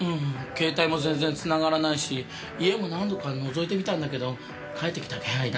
携帯も全然つながらないし家も何度か覗いてみたんだけど帰ってきた気配ないし。